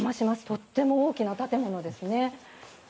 とっても大きな建物ですね。